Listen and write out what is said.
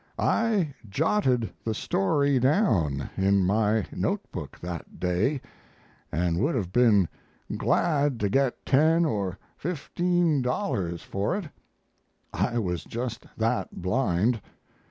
I jotted the story down in my note book that day, and would have been glad to get ten or fifteen dollars for it I was just that blind.